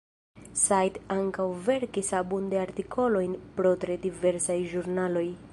Said ankaŭ verkis abunde artikolojn por tre diversaj ĵurnaloj.